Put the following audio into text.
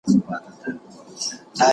جنرال پالک خپل ځواک د جګدلک پر لور ورواستوه